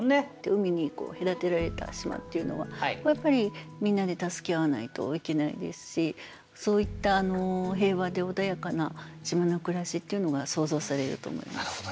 海に隔てられた島っていうのはやっぱりみんなで助け合わないといけないですしそういった平和で穏やかな島の暮らしっていうのが想像されると思います。